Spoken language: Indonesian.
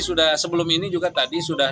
sudah sebelum ini juga tadi sudah